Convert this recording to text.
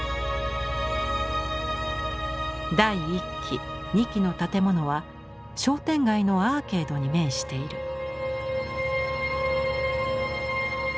第１期２期の建物は商店街のアーケードに面している。